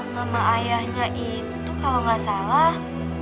nama ayahnya itu kalau gak salah